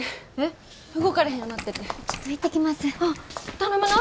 頼むな！